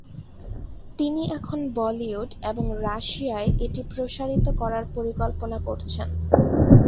তিনি এখন বলিউড এবং রাশিয়ায় এটি প্রসারিত করার পরিকল্পনা করছেন।